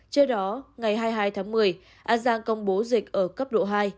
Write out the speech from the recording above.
trước đó ngày hai mươi hai tháng một mươi an giang công bố dịch ở cấp độ hai